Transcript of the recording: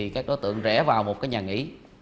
các đối tượng rẽ vào một nhà nghỉ